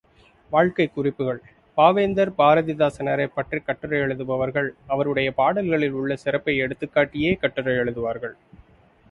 வாழ்க்கைக் குறிப்புகள் பாவேந்தர் பாரதிதாசனாரைப் பற்றிக் கட்டுரை எழுதுபவர்கள், அவருடைய பாடல்களில் உள்ள சிறப்பை எடுத்துக்காட்டியே கட்டுரை எழுதுவார்கள்.